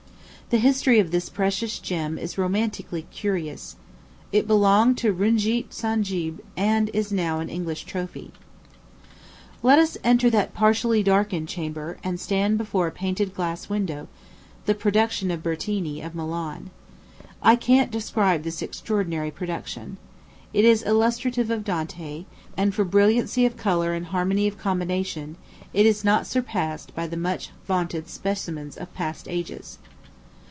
The history of this precious gem is romantically curious. It belonged to Runjeet Sindjb and is now an English trophy. Let us enter that partially darkened chamber, and stand before a painted glass window, the production of Bertini, of Milan. I can't describe this extraordinary production. It is illustrative of Dante, and, for brilliancy of color and harmony of combination, it is not surpassed by the much vaunted specimens of past ages.